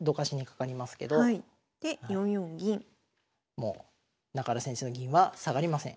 もう中原先生の銀は下がりません。